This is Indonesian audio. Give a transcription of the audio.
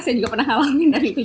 saya juga pernah ngalamin dari itu